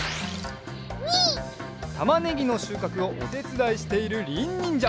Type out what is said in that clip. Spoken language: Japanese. たまねぎのしゅうかくをおてつだいしているりんにんじゃ。